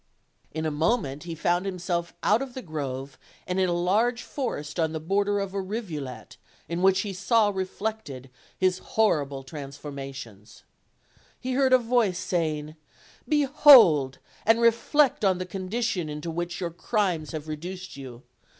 In a moment he found himself out of the grove and in a large forest on the border of a rivulet, in which he saw reflected 'his horrible transformation. He heard a voice saying: "Behold: and reflect on the condition into which your crimes have reduced you.